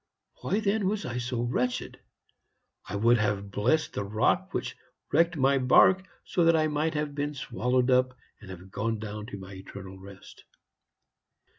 Why, then, was I so wretched? I would have blessed the rock which wrecked my bark so that I might have been swallowed up and have gone down to my eternal rest.